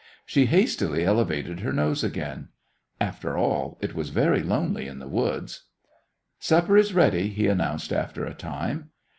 She hastily elevated her nose again. After all it was very lonely in the woods. "Supper is ready," he announced after a time.